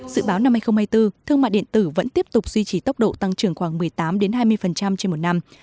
sự báo năm hai nghìn hai mươi bốn thương mại điện tử vẫn tiếp tục duy trì tốc độ tăng trưởng khoảng một mươi tám hai mươi trên một năm